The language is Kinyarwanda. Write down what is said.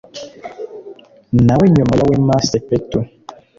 nawe nyuma ya wema sepetu